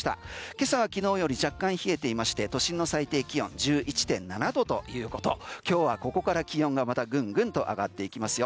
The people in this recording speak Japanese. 今朝は昨日より若干冷えていましてと都心の最低気温１１．７度ということで今日はここから気温がまたぐんぐんと上がっていきますよ。